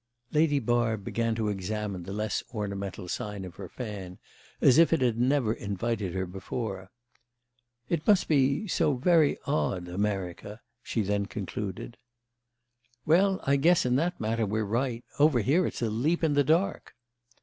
Lady Barb began to examine the less ornamental side of her fan as if it had never invited her before. "It must be so very odd, America," she then concluded. "Well, I guess in that matter we're right. Over here it's a leap in the dark."